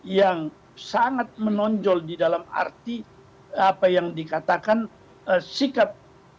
yang sangat menonjol di dalam arti apa yang dikatakan sikap